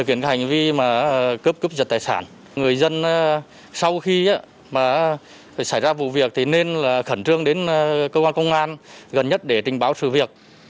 khi mà cướp cướp dật tài sản người dân sau khi mà xảy ra vụ việc thì nên là khẩn trương đến cơ quan công an gần nhất để trình báo sự việc